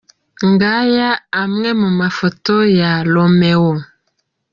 Ngaya amwe mu mafoto ya Romeo.